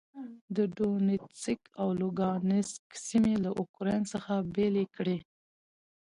د دونیتسک او لوګانسک سیمې له اوکراین څخه بېلې کړې.